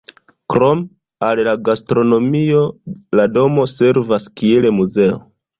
Krom al la gastronomio la domo servas kiel muzeo.